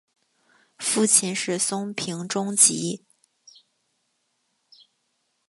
父亲是松平忠吉。